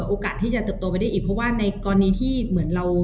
โอกาสที่จะเติบโตไปได้อีกเพราะว่าในกรณีที่เหมือนเรา